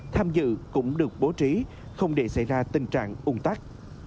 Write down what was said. tham dự cũng được bố trí không để xảy ra tình trạng ung tắc